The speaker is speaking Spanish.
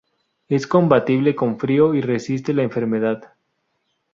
Es compatible con frío y resiste la enfermedad.